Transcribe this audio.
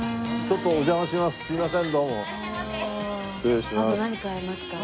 ちょっとお邪魔します。